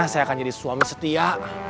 saya akan jadi suami setia